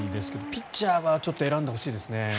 ピッチャーは選んでほしいですね。